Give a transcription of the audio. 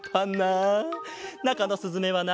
なかのすずめはな